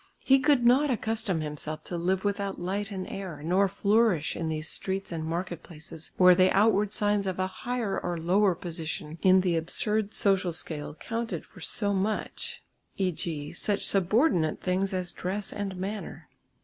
He could not accustom himself to live without light and air, nor flourish in these streets and market places, where the outward signs of a higher or lower position in the absurd social scale counted for so much, e.g. such subordinate things as dress and manner.